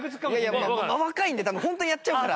若いんで多分ホントにやっちゃうから。